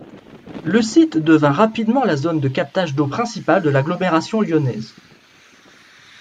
Le site devint rapidement la zone de captage d'eau principale de l'agglomération lyonnaise.